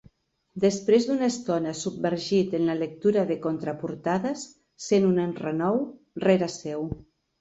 Després d'una estona submergit en la lectura de contraportades, sent un renou rere seu.